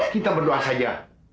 kita berdoa saja